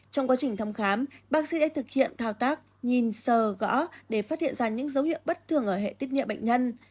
trong quá trình thăm khám bác sĩ sẽ thực hiện thao tác nhìn sờ gõ để phát hiện ra những dấu hiệu bất thường ở hệ tiếp nhận bệnh nhân